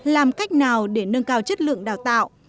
làm cách nào để nâng cao chất lượng đào tạo